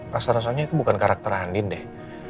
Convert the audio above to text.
rasa rasanya itu bukan karakter andin deh